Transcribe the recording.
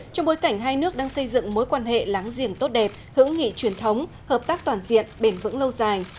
trong bối cảnh hai nước đang xây dựng mối quan hệ láng giềng tốt đẹp hữu nghị truyền thống hợp tác toàn diện bền vững lâu dài